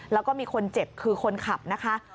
แล้วก็มีคนเจ็บคือคนขับนะคะ